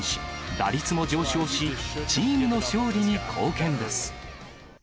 打率も上昇し、チームの勝利に貢献です。